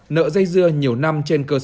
nợ dây dưa nhiều năm